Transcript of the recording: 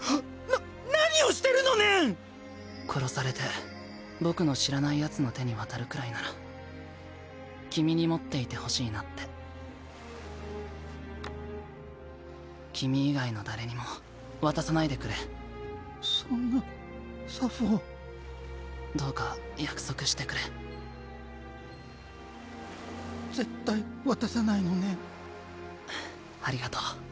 な何をしてるのねん⁉殺されて僕の知らないヤツの手に渡るくらいなら君に持っていてほしいなって君以外の誰にも渡さないでくれそんなサフォーどうか約束してくれ絶対渡さないのねんふっありがとう。